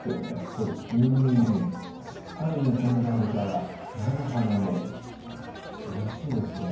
そうですねはいしっかり煮込んであるから菜の花もおいしいですね